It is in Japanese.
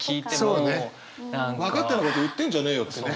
分かったようなこと言ってんじゃねえよってね。